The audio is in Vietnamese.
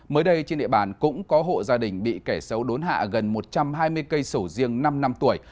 mới đây trên địa bàn cũng có hộ gia đình bị kẻ xấu đốn hạ gần một trăm hai mươi cây sầu riêng năm năm tuổi